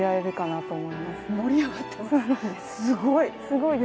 すごい！